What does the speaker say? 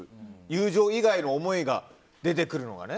友情以外の思いが出てくるのがね。